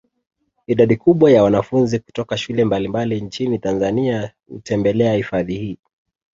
Idadi kubwa ya wanafunzi kutoka shule mbalimbali nchini Tanzania hutembelea hifadhi hii